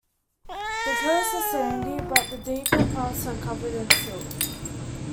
The coasts are sandy but the deeper parts are covered in silt.